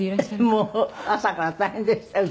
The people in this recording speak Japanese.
もう朝から大変でしたよ